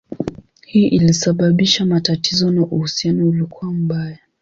Hii ilisababisha matatizo na uhusiano ulikuwa mbaya.